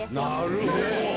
そうなんです。